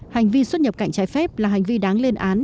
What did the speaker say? hành vi xuất nhập cảnh trái phép là hành vi đáng lên án